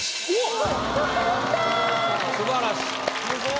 すばらしい。